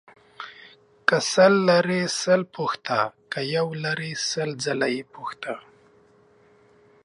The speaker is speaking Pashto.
که سل لرې سل پوښته ، که يو لرې سل ځله يې پوښته.